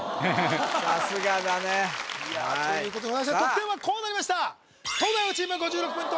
さすがだねということは得点はこうなりました東大王チーム５６ポイント